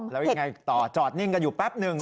แล้วยังไงต่อจอดนิ่งกันอยู่แป๊บหนึ่ง